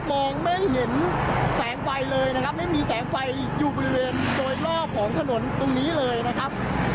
มองไม่เห็นแสงไฟเลยนะครับไม่มีแสงไฟอยู่บริเวณโดยรอบของถนนตรงนี้เลยนะครับ